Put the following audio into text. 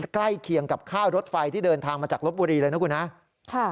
ใกล้เคียงกับค่ารถไฟที่เดินทางมาจากลบบุรีเลยนะครับ